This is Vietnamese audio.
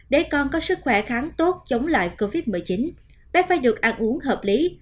để con có sức khỏe kháng tốt chống lại covid một mươi chín bé phải được ăn uống hợp lý